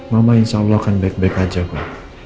mama insya allah akan baik baik aja pak